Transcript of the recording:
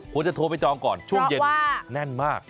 ควรจะโทรไปจองก่อนช่วงเย็นแน่นมาก